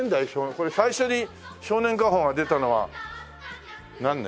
これ最初に『少年画報』が出たのは何年？